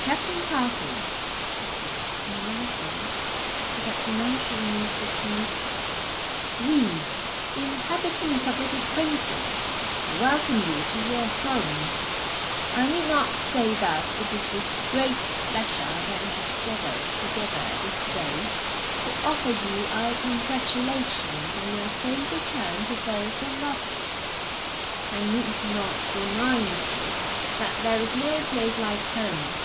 "Captain Parsons," he said, in a loud voice, so that none should miss his honeyed words, "we, the inhabitants of Little Primpton, welcome you to your home. I need not say that it is with great pleasure that we have gathered together this day to offer you our congratulations on your safe return to those that love you. I need not remind you that there is no place like home.